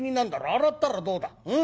洗ったらどうだうん？